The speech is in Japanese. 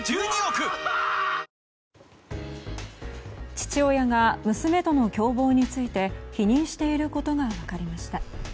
父親が娘との共謀について否認していることが分かりました。